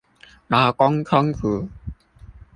勞工充足